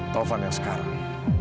taufan yang sekarang